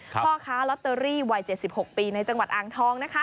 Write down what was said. พ่อค้าลอตเตอรี่วัย๗๖ปีในจังหวัดอ่างทอง